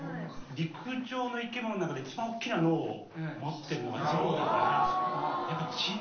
陸上の生き物の中で一番大きな脳を持ってるのが象だから。